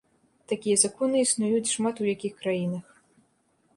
Такія законы існуюць шмат у якіх краінах.